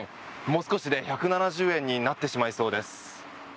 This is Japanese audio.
もう少しで１７０円になってしまいそうです。